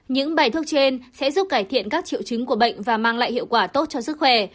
những bài thuốc trên sẽ giúp cải thiện các triệu chứng của bệnh và mang lại hiệu quả tốt cho sức khỏe